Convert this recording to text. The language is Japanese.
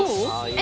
え